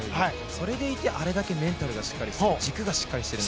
それでいてあれだけメンタル、軸がしっかりしている。